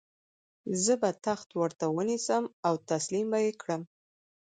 زه به تخت ورته ونیسم او تسلیم به یې کړم.